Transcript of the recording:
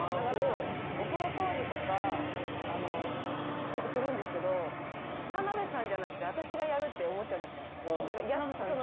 だからお風呂掃除とかするんですけど田辺さんじゃなくて私がやるって思っちゃうんですよね。